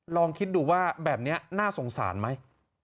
ลองคิดดูว่าแบบนี้น่าสงสารไหม